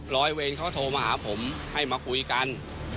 ร้อยเวรเขาโทรมาหาผมให้มาคุยกัน